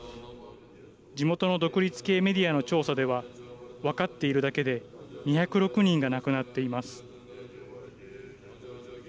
地元の独立系メディアの調査では分かっているだけで２０６人が亡くなっています。